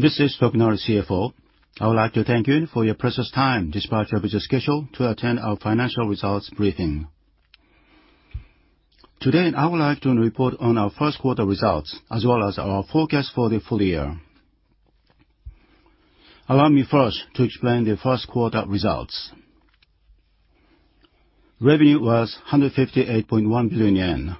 This is Tokunari, CFO. I would like to thank you for your precious time, despite your busy schedule, to attend our financial results briefing. Today, I would like to report on our first quarter results, as well as our forecast for the full year. Allow me first to explain the first quarter results. Revenue was 158.1 billion yen.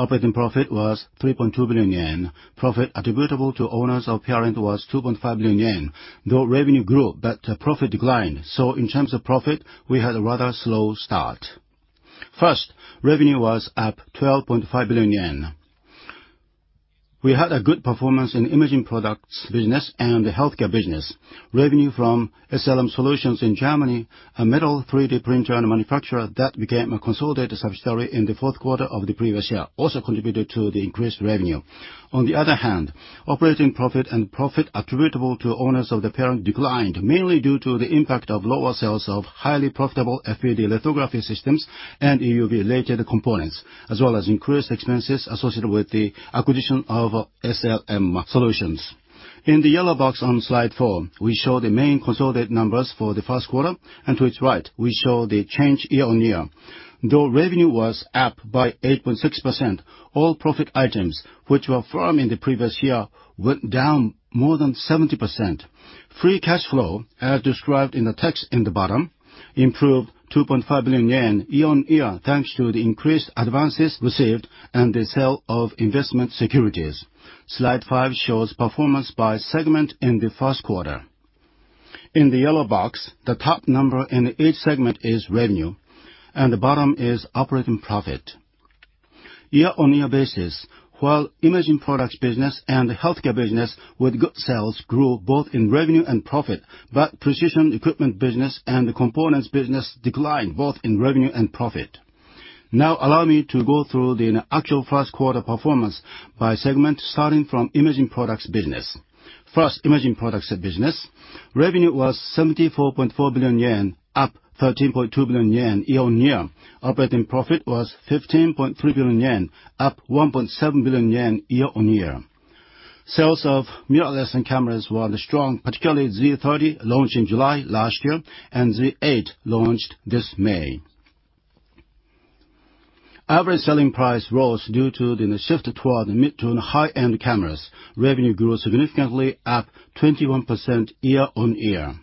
Operating profit was 3.2 billion yen. Profit attributable to owners of parent was 2.5 billion yen, though revenue grew, but profit declined. In terms of profit, we had a rather slow start. First, revenue was up 12.5 billion yen. We had a good performance in Imaging Products Business and the Healthcare Business. Revenue from SLM Solutions in Germany, a metal 3D printer and manufacturer that became a consolidated subsidiary in the fourth quarter of the previous year, also contributed to the increased revenue. On the other hand, operating profit and profit attributable to owners of the parent declined, mainly due to the impact of lower sales of highly profitable FPD lithography systems and EUV-related components, as well as increased expenses associated with the acquisition of SLM Solutions. In the yellow box on slide four, we show the main consolidated numbers for the first quarter, and to its right, we show the change year-on-year. Though revenue was up by 8.6%, all profit items, which were firm in the previous year, went down more than 70%. Free cash flow, as described in the text in the bottom, improved 2.5 billion yen year-on-year, thanks to the increased advances received and the sale of investment securities. Slide 5 shows performance by segment in the first quarter. In the yellow box, the top number in each segment is revenue, and the bottom is operating profit. Year-on-year basis, while Imaging Products Business and the Healthcare Business, with good sales, grew both in revenue and profit, Precision Equipment Business and the Components Business declined both in revenue and profit. Allow me to go through the actual first quarter performance by segment, starting from Imaging Products Business. First, Imaging Products Business. Revenue was 74.4 billion yen, up 13.2 billion yen year-on-year. Operating profit was 15.3 billion yen, up 1.7 billion yen year-on-year. Sales of mirrorless and cameras were strong, particularly Z 30, launched in July last year, and Z 8, launched this May. Average selling price rose due to the shift toward mid to high-end cameras. Revenue grew significantly, up 21% year-on-year.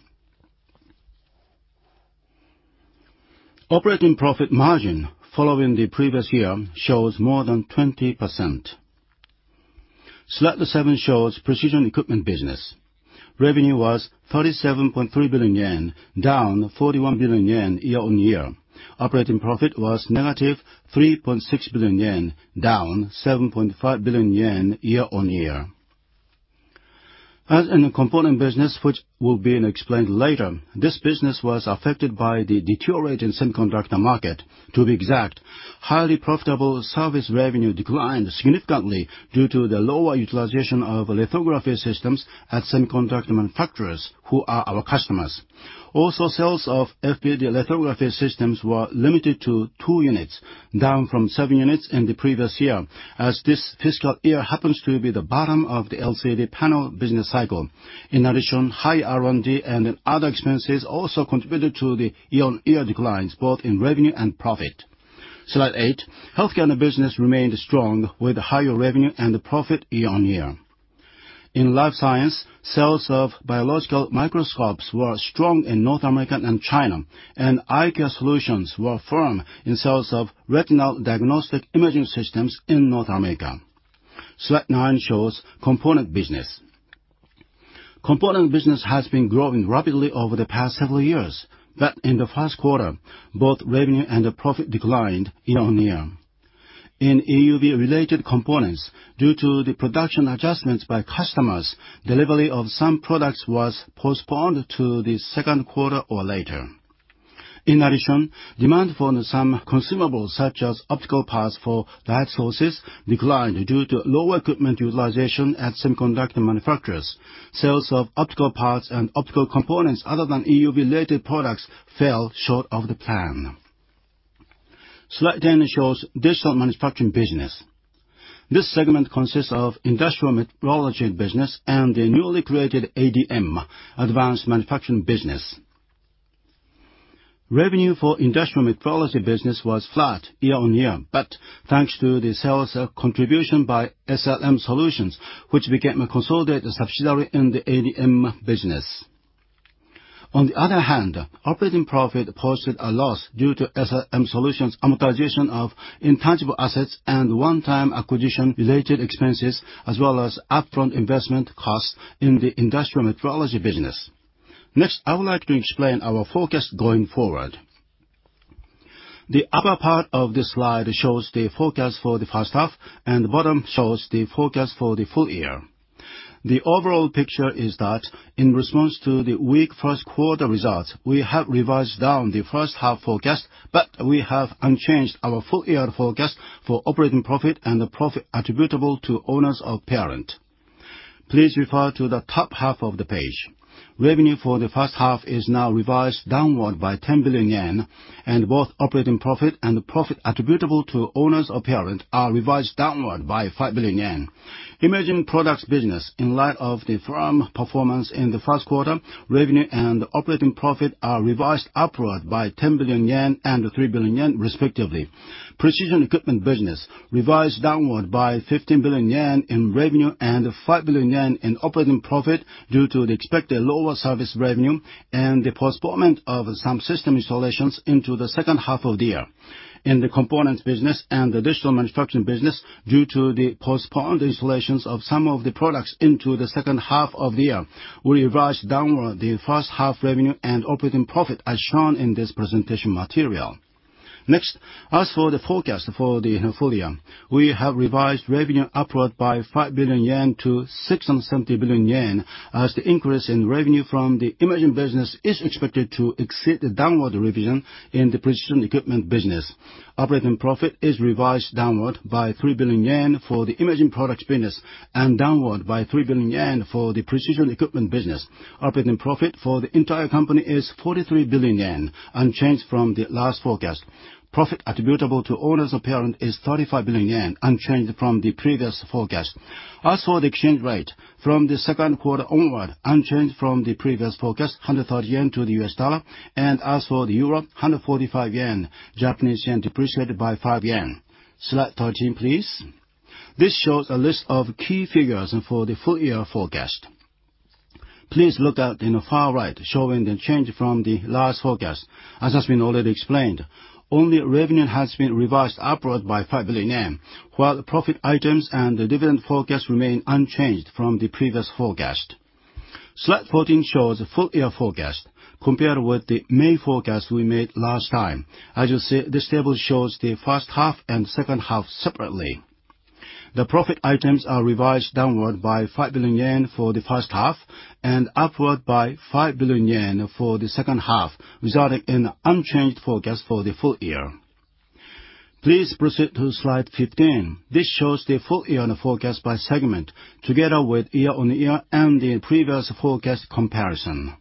Operating profit margin, following the previous year, shows more than 20%. Slide seven shows Precision Equipment Business. Revenue was 37.3 billion yen, down 41 billion yen year-on-year. Operating profit was -3.6 billion yen, down 7.5 billion yen year-on-year. As in the Components Business, which will be explained later, this business was affected by the deteriorating semiconductor market. To be exact, highly profitable service revenue declined significantly due to the lower utilization of lithography systems at semiconductor manufacturers, who are our customers. Sales of FPD lithography systems were limited to 2 units, down from 7 units in the previous year, as this fiscal year happens to be the bottom of the LCD panel business cycle. High R&D and other expenses also contributed to the year-on-year declines, both in revenue and profit. Slide 8. Healthcare Business remained strong, with higher revenue and profit year-on-year. In life science, sales of biological microscopes were strong in North America and China, and Eye Care Solutions were firm in sales of retinal diagnostic imaging systems in North America. Slide 9 shows Components Business. Components Business has been growing rapidly over the past several years, but in the first quarter, both revenue and the profit declined year-on-year. In EUV-related components, due to the production adjustments by customers, delivery of some products was postponed to the second quarter or later. Demand for some consumables, such as optical parts for light sources, declined due to lower equipment utilization at semiconductor manufacturers. Sales of optical parts and optical components other than EUV-related products fell short of the plan. Slide 10 shows Digital Manufacturing Business. This segment consists of Industrial Metrology Business and the newly created ADM, Advanced Manufacturing Business. Revenue for Industrial Metrology Business was flat year-on-year, thanks to the sales contribution by SLM Solutions, which became a consolidated subsidiary in the ADM business. Operating profit posted a loss due to SLM Solutions' amortization of intangible assets and one-time acquisition-related expenses, as well as upfront investment costs in the Industrial Metrology Business. I would like to explain our forecast going forward. The upper part of this slide shows the forecast for the first half, and the bottom shows the forecast for the full year. The overall picture is that in response to the weak first quarter results, we have revised down the first half forecast, but we have unchanged our full-year forecast for operating profit and the profit attributable to owners of parent. Please refer to the top half of the page. Revenue for the first half is now revised downward by 10 billion yen, and both operating profit and profit attributable to owners of parent are revised downward by 5 billion yen. Imaging Products Business, in light of the firm performance in the first quarter, revenue and operating profit are revised upward by 10 billion yen and 3 billion yen, respectively. Precision Equipment Business, revised downward by 15 billion yen in revenue and 5 billion yen in operating profit due to the expected lower service revenue and the postponement of some system installations into the second half of the year. In the Components Business and the Digital Manufacturing Business, due to the postponed installations of some of the products into the second half of the year, we revised downward the first half revenue and operating profit, as shown in this presentation material. As for the forecast for the full year, we have revised revenue upward by 5 billion yen to 670 billion yen, as the increase in revenue from the Imaging Business is expected to exceed the downward revision in the Precision Equipment Business. Operating profit is revised downward by 3 billion yen for the Imaging Products Business, and downward by 3 billion yen for the Precision Equipment Business. Operating profit for the entire company is 43 billion yen, unchanged from the last forecast. Profit attributable to owners of parent is 35 billion yen, unchanged from the previous forecast. As for the exchange rate, from the second quarter onward, unchanged from the previous forecast, 130 yen to the US dollar, and as for the euro, 145 yen, Japanese yen depreciated by 5 yen. Slide 13, please. This shows a list of key figures for the full year forecast. Please look at in the far right, showing the change from the last forecast. As has been already explained, only revenue has been revised upward by 5 billion yen, while the profit items and the dividend forecast remain unchanged from the previous forecast. Slide 14 shows full year forecast. Compared with the May forecast we made last time, as you see, this table shows the first half and second half separately. The profit items are revised downward by 5 billion yen for the first half, and upward by 5 billion yen for the second half, resulting in unchanged forecast for the full year. Please proceed to slide 15. This shows the full year forecast by segment, together with year-on-year and the previous forecast comparison.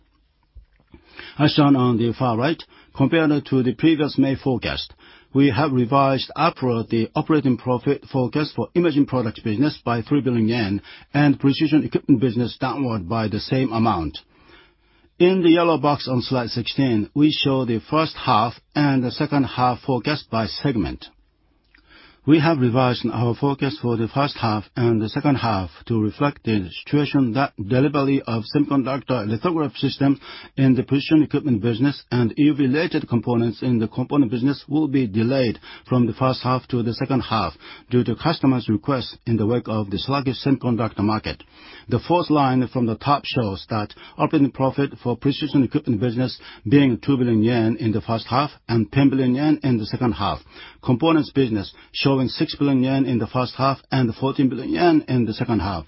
As shown on the far right, compared to the previous May forecast, we have revised upward the operating profit forecast for Imaging Products Business by 3 billion yen, and Precision Equipment Business downward by the same amount. In the yellow box on slide 16, we show the first half and the second half forecast by segment. We have revised our forecast for the first half and the second half to reflect the situation that delivery of semiconductor lithography system in the Precision Equipment Business and EUV-related components in the Components Business will be delayed from the first half to the second half due to customers' requests in the wake of the sluggish semiconductor market. The fourth line from the top shows that operating profit for Precision Equipment Business being 2 billion yen in the first half and 10 billion yen in the second half. Components Business showing 6 billion yen in the first half and 14 billion yen in the second half.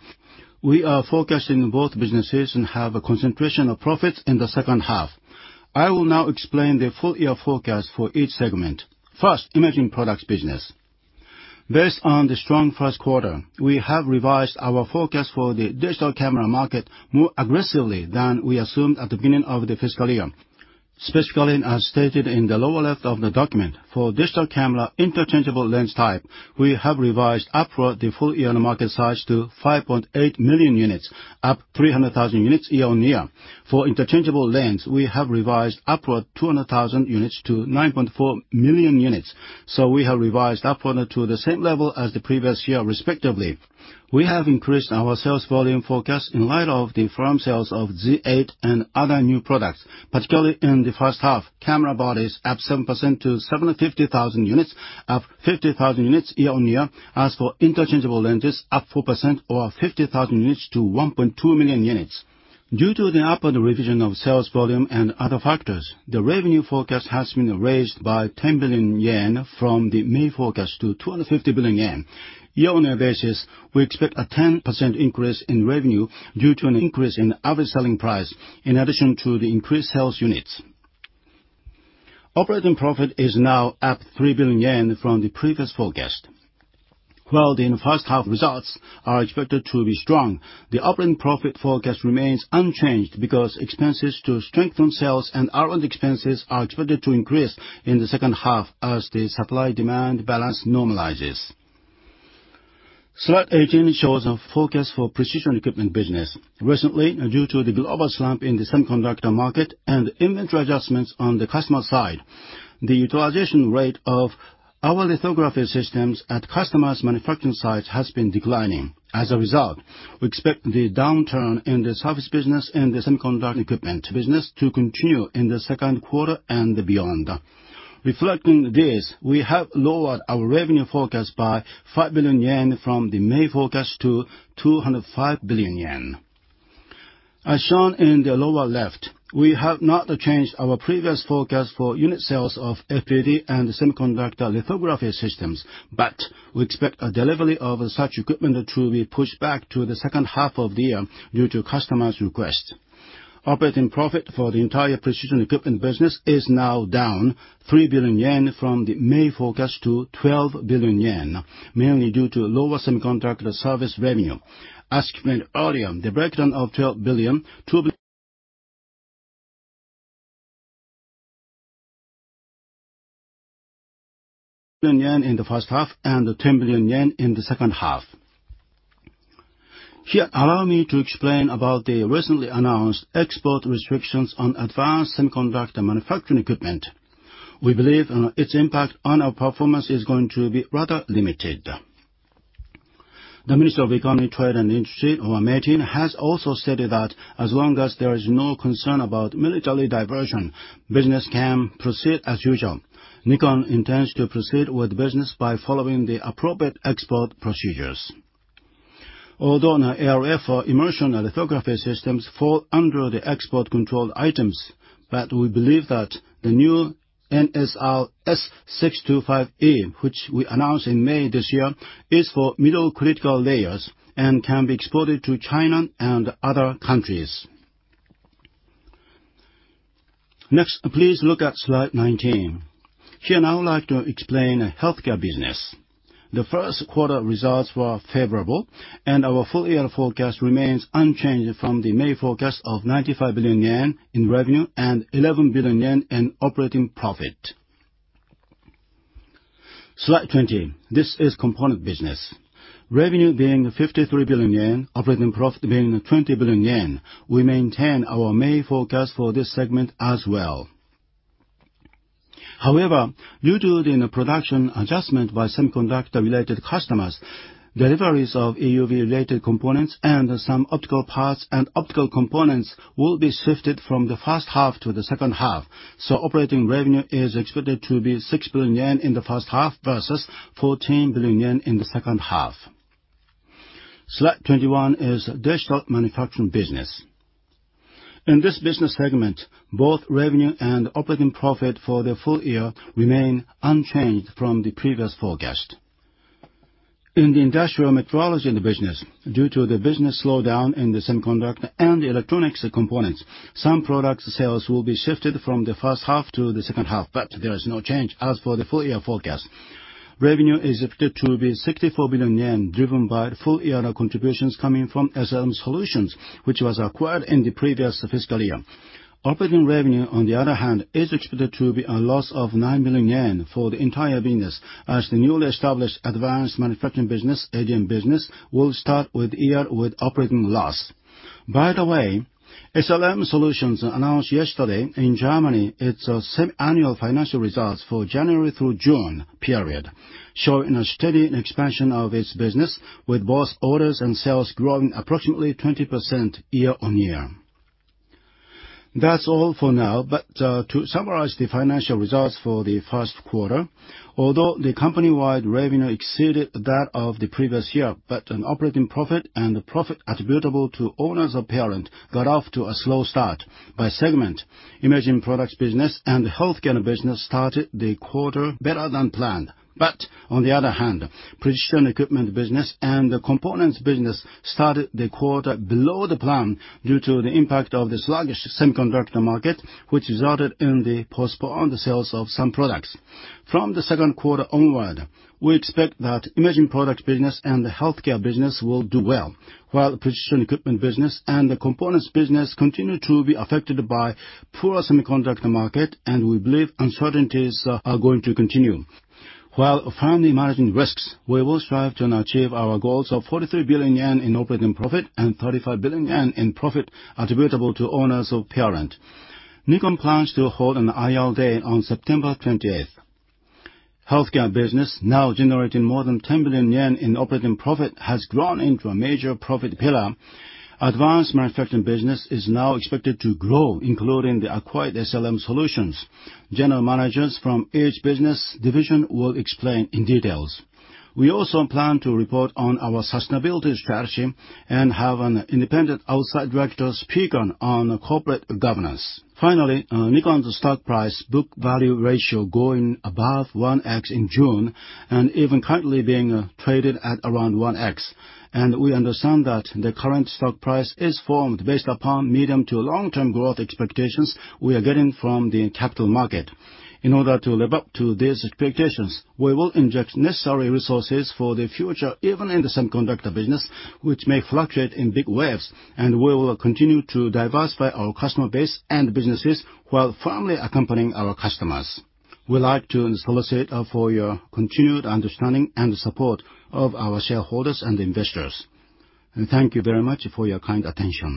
We are forecasting both businesses and have a concentration of profits in the second half. I will now explain the full year forecast for each segment. First, Imaging Products Business. Based on the strong first quarter, we have revised our forecast for the digital camera market more aggressively than we assumed at the beginning of the fiscal year. Specifically, as stated in the lower left of the document, for digital camera interchangeable lens type, we have revised upward the full year market size to 5.8 million units, up 300,000 units year-on-year. For interchangeable lens, we have revised upward 200,000 units to 9.4 million units. We have revised upward to the same level as the previous year, respectively. We have increased our sales volume forecast in light of the firm sales of Z 8 and other new products, particularly in the first half. Camera bodies up 7% to 750,000 units, up 50,000 units year-on-year. As for interchangeable lenses, up 4% or 50,000 units to 1.2 million units. Due to the upward revision of sales volume and other factors, the revenue forecast has been raised by 10 billion yen from the May forecast to 250 billion yen. Year-on-year basis, we expect a 10% increase in revenue due to an increase in average selling price, in addition to the increased sales units. Operating profit is now up 3 billion yen from the previous forecast. While the first half results are expected to be strong, the operating profit forecast remains unchanged because expenses to strengthen sales and R&D expenses are expected to increase in the second half as the supply-demand balance normalizes. Slide 18 shows a forecast for Precision Equipment Business. Recently, due to the global slump in the semiconductor market and inventory adjustments on the customer side, the utilization rate of our lithography systems at customers' manufacturing sites has been declining. As a result, we expect the downturn in the service business and the semiconductor equipment business to continue in the second quarter and beyond. Reflecting this, we have lowered our revenue forecast by 5 billion yen from the May forecast to 205 billion yen. As shown in the lower left, we have not changed our previous forecast for unit sales of FPD and semiconductor lithography systems, but we expect a delivery of such equipment to be pushed back to the second half of the year due to customers' requests. Operating profit for the entire Precision Equipment Business is now down 3 billion yen from the May forecast to 12 billion yen, mainly due to lower semiconductor service revenue. As explained earlier, the breakdown of 12 billion, 2 billion yen in the first half and 10 billion yen in the second half. Here, allow me to explain about the recently announced export restrictions on advanced semiconductor manufacturing equipment. We believe its impact on our performance is going to be rather limited. The Minister of Economy, Trade and Industry, or METI, has also stated that as long as there is no concern about military diversion, business can proceed as usual. Nikon intends to proceed with business by following the appropriate export procedures. Now ARF or immersion lithography systems fall under the export control items, but we believe that the new NSR-S625E, which we announced in May this year, is for mid-critical layers and can be exported to China and other countries. Please look at slide 19. Here, now I would like to explain Healthcare Business. The first quarter results were favorable, and our full year forecast remains unchanged from the May forecast of 95 billion yen in revenue and 11 billion yen in operating profit. Slide 20, this is Components Business. Revenue being 53 billion yen, operating profit being 20 billion yen, we maintain our May forecast for this segment as well. However, due to the production adjustment by semiconductor-related customers, deliveries of EUV-related components and some optical parts and optical components will be shifted from the first half to the second half, so operating revenue is expected to be 6 billion yen in the first half versus 14 billion yen in the second half. Slide 21 is Digital Manufacturing Business. In this business segment, both revenue and operating profit for the full year remain unchanged from the previous forecast. In the Industrial Metrology in the business, due to the business slowdown in the semiconductor and electronics components, some product sales will be shifted from the first half to the second half, but there is no change as for the full year forecast. Revenue is expected to be 64 billion yen, driven by full year contributions coming from SLM Solutions, which was acquired in the previous fiscal year. Operating revenue, on the other hand, is expected to be a loss of 9 billion yen for the entire business, as the newly established Advanced Manufacturing Business, AM business, will start with year with operating loss. By the way, SLM Solutions announced yesterday in Germany, its semi-annual financial results for January through June period, showing a steady expansion of its business, with both orders and sales growing approximately 20% year-on-year. That's all for now, to summarize the financial results for the 1st quarter, although the company-wide revenue exceeded that of the previous year, an operating profit and the profit attributable to owners of parent got off to a slow start. By segment, Imaging Products Business and Healthcare Business started the quarter better than planned. On the other hand, Precision Equipment Business and the Components Business started the quarter below the plan due to the impact of the sluggish semiconductor market, which resulted in the postponed sales of some products. From the second quarter onward, we expect that Imaging Products Business and the Healthcare Business will do well, while the Precision Equipment Business and the Components Business continue to be affected by poorer semiconductor market, and we believe uncertainties are going to continue. While firmly managing risks, we will strive to achieve our goals of 43 billion yen in operating profit and 35 billion yen in profit attributable to owners of parent. Nikon plans to hold an IR Day on September 28th. Healthcare Business, now generating more than 10 billion yen in operating profit, has grown into a major profit pillar. Advanced Manufacturing Business is now expected to grow, including the acquired SLM Solutions. General managers from each business division will explain in details. We also plan to report on our sustainability strategy and have an independent outside director speaking on corporate governance. Finally, Nikon's stock price book value ratio going above 1x in June, and even currently being traded at around 1x. We understand that the current stock price is formed based upon medium to long-term growth expectations we are getting from the capital market. In order to live up to these expectations, we will inject necessary resources for the future, even in the semiconductor business, which may fluctuate in big waves, and we will continue to diversify our customer base and businesses while firmly accompanying our customers. We'd like to solicit for your continued understanding and support of our shareholders and investors. Thank you very much for your kind attention.